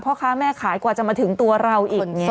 พ่อค้าแม่ขายกว่าจะมาถึงตัวเราอีก